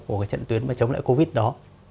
của trận tuyến chống lại covid đó